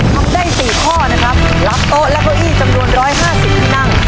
ทำได้๔ข้อนะครับรับโต๊ะและเก้าอี้จำนวน๑๕๐ที่นั่ง